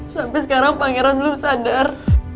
sampai sekarang pangeran belum sadar